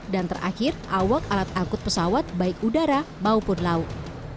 dan terakhir awak alat angkut pesawat baik udara maupun laut